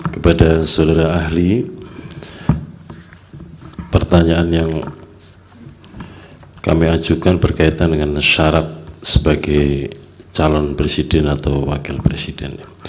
kepada saudara ahli pertanyaan yang kami ajukan berkaitan dengan syarat sebagai calon presiden atau wakil presiden